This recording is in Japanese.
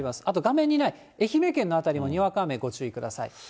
あと画面にない愛媛県の辺りもにわか雨ご注意ください。